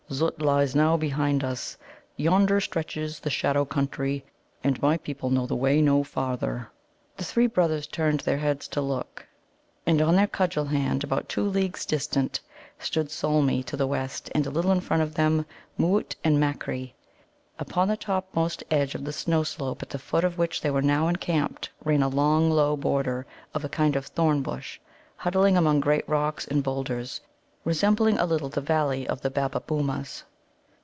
Zut lies now behind us. Yonder stretches the Shadow Country, and my people know the way no farther." The three brothers turned their heads to look, and on their cudgel hand, about two leagues distant, stood Solmi; to the west, and a little in front of them, Mōōt and Makkri. Upon the topmost edge of the snow slope at the foot of which they were now encamped ran a long, low border of a kind of thorn bush, huddling among great rocks and boulders, resembling a little the valleys of the Babbabōōmas.